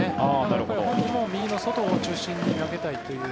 だから、右の外を中心に投げたいという。